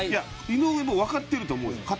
井上もわかってると思うよ